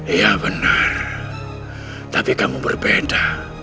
iya benar tapi kamu berbeda